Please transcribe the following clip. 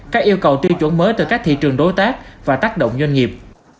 các yêu cầu tiêu chuẩn mới từ các thị trường đối tác và tác động doanh nghiệp